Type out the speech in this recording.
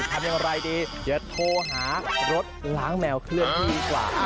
ทำอย่างไรดีเดี๋ยวโทรหารถล้างแมวเคลื่อนที่ดีกว่า